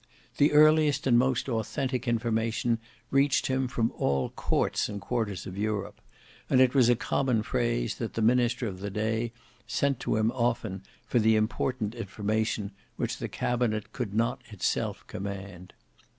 The earliest and most authentic information reached him from all courts and quarters of Europe: and it was a common phrase, that the minister of the day sent to him often for the important information which the cabinet could not itself command.